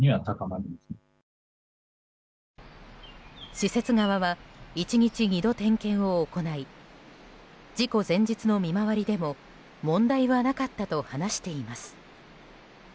施設側は１日２度、点検を行い事故前日の見回りでも問題はなかったと話しています。